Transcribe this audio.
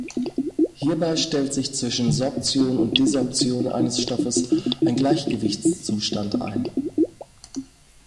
Hierbei stellt sich zwischen Sorption und Desorption eines Stoffes ein Gleichgewichtszustand ein.